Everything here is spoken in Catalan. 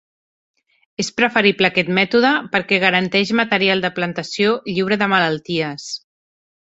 És preferible aquest mètode perquè garanteix material de plantació lliure de malalties.